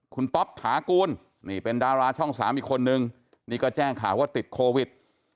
คุณป๊อปถากูลนี่เป็นดาราช่อง๓อีกคนนึงนี่ก็แจ้งข่าวว่าติดโควิด